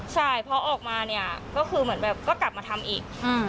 ใช่พอออกมาเนี่ยก็คือเหมือนแบบก็กลับมาทำอีก